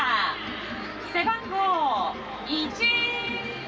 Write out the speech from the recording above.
背番号１。